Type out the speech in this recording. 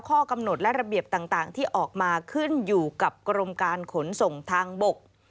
ข้อกำหนดและระเบียบต่างที่ออกมาขึ้นอยู่กับกรมการขนส่งทางบก